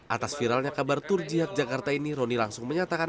atas viralnya kabar tur jihad jakarta ini roni langsung menyatakan